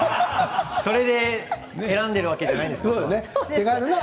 それで選んでいるわけじゃないですから。